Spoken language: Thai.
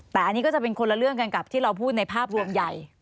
แต่อันนี้ก็จะเป็นคนละเรื่องกันกับที่เราพูดในภาพรวมใหญ่